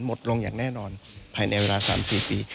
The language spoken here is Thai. หมดลงอย่างแน่นอนภายในเวลา๓๔ปี